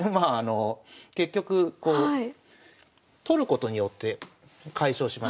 結局こう取ることによって解消しました。